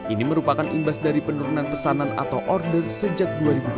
ini merupakan imbas dari penurunan pesanan atau order sejak dua ribu dua belas